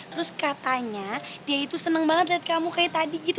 terus katanya dia itu senang banget lihat kamu kayak tadi gitu